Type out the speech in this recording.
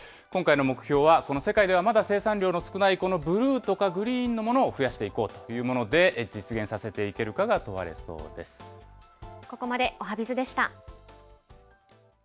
今回の目標は、世界ではまだ生産量の少ないこのブルーとかグリーンのものを増やしていこうというもので、実現させていけるかが問ここまでおはＢｉｚでした。